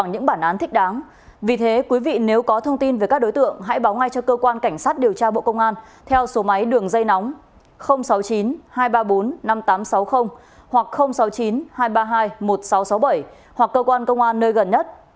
nếu có thông tin về các đối tượng hãy báo ngay cho cơ quan cảnh sát điều tra bộ công an theo số máy đường dây nóng sáu mươi chín hai trăm ba mươi bốn năm nghìn tám trăm sáu mươi hoặc sáu mươi chín hai trăm ba mươi hai một nghìn sáu trăm sáu mươi bảy hoặc cơ quan công an nơi gần nhất